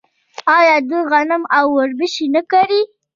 آیا دوی غنم او وربشې نه کري؟